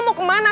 lo mau kemana